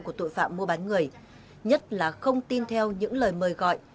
của tội phạm mua bán người nhất là không tin theo những lời mời gọi